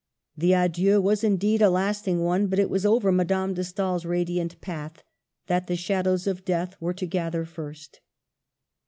The adieu was, indeed, a lasting one ; but it was over Madame de Steel's radiant path that the shadows of death were to gather first.